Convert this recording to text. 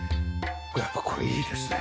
やっぱこれいいですね。